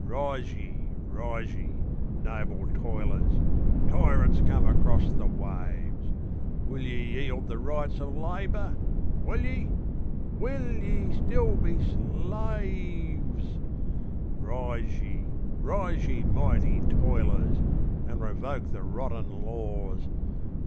Rise ye! rise ye! noble toilers! tyrants come across the waves! Will ye yield the Rights of Labour? will ye? will ye still be sl a a ves?!!! Rise ye! rise ye! mighty toilers! and revoke the rotten laws!